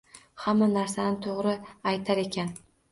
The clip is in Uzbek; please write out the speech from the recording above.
Hamma narsani to`g`ri aytar ekan